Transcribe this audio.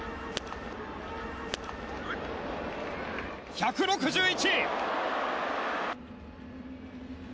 １６１！